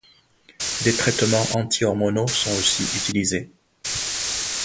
Des traitements anti-hormonaux sont aussi utilisés.